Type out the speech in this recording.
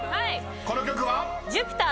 この曲は？］